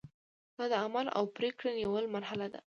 دا د عمل او پریکړې نیولو مرحله ده.